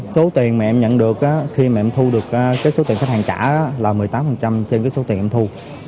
số tiền mà em nhận được khi em thu được số tiền khách hàng trả là một mươi tám trên số tiền em thu